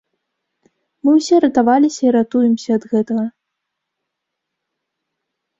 Мы ўсе ратаваліся і ратуемся ад гэтага.